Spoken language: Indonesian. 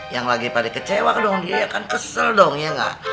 yang lagi pada kecewa dong dia kan kesel dong ya